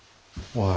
おい。